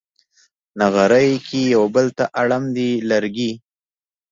نغري کې یو بل ته اړم دي لرګي